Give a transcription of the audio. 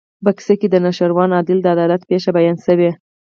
په کیسه کې د نوشیروان عادل د عدالت پېښه بیان شوې.